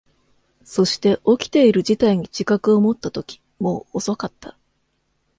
そして、起きている事態に自覚を持ったとき、もう遅かった。